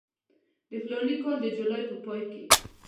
د فلاني کال د جولای په پای کې.